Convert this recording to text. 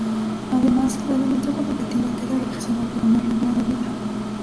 Además, la dimensión contemplativa queda reforzada por una regla de vida.